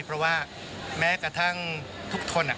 เพราะว่าแม้กระทั่งทุกคน